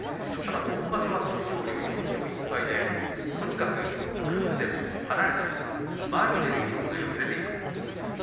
今場所は徳勝龍４勝１敗でとにかく組んでも離れても前に出る意識がよく出ています。